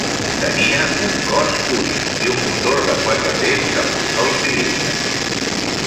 Tenia un cos únic i un motor de quatre temps amb un sol cilindre.